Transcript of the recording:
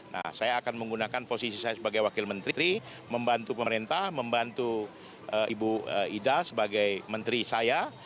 nah saya akan menggunakan posisi saya sebagai wakil menteri membantu pemerintah membantu ibu ida sebagai menteri saya